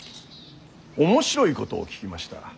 面白いことを聞きました。